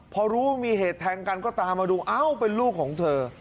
พอรู้ว่ามีเหตุแทงกันก็ตามมาดูเอ้าเป็นลูกของเธอ